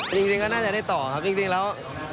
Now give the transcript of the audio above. จริงก็น่าจะได้ต่อครับจริงแล้ว